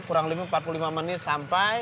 kurang lebih empat puluh lima menit sampai